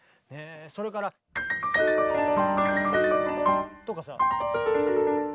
それから。とかさ。